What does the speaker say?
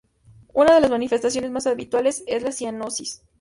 Uno de las manifestaciones más habituales es la cianosis.